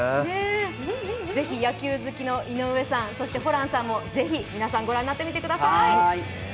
ぜひ野球好きの井上さん、ホランさんも、ぜひ、皆さんご覧になってみてください！